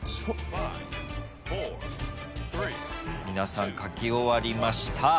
皆さん書き終わりました。